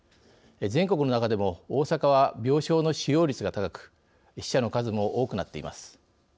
全国の中でも大阪は病床の使用率が高く死者の数も多くなっています。